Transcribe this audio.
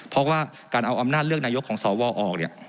เพราะว่าการเอาอำนาจเลือกนายกของสวออกเนี่ย